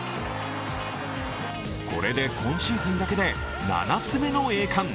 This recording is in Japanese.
これで今シーズンだけで７つ目の栄冠。